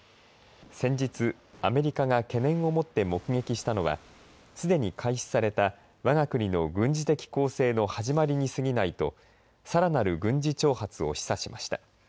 先日、アメリカが懸念を持って目撃したのはすでに開始された、わが国の軍事的攻勢の始まりにすぎないとさらなる軍事挑発を示唆しました。